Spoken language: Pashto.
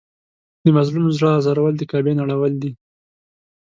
د مظلوم زړه ازارول د کعبې نړول دي.